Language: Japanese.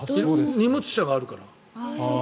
荷物車があるから。